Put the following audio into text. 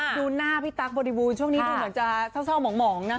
ดูหน้าพี่ตั๊กบริบูรณ์ช่วงนี้ดูเหมือนจะเศร้าหมองนะ